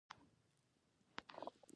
د ببۍ مخ شېبه په شېبه سورېده.